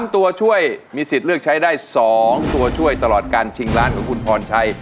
ตัวช่วยมีสิทธิ์เลือกใช้ได้๒ตัวช่วยตลอดการชิงล้านของคุณพรชัย